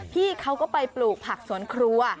พี่เขาก็ไปปลูกผักสวนครัว